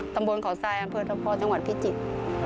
ตำบวนขอทรายอังเภอทธพจังหวัดพิจิตร